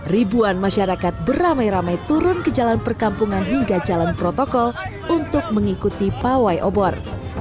ribuan masyarakat beramai ramai turun ke jalan perkampungan hingga jalan protokol untuk mengikuti pawai obor